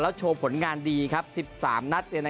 และโชว์ผลงานดี๑๓นัด